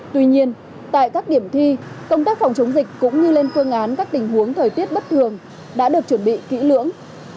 tuy nhiên tại các điểm thi công tác phòng chống dịch cũng như lên phương án các tình huống thời tiết bất thường đã được chuẩn bị kỹ lưỡng